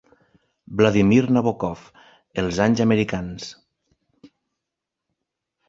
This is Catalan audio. "Vladimir Nabokov: Els anys americans".